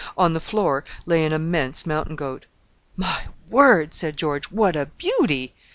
On the floor lay an immense mountain goat. "My word!" said George, "what a beauty!"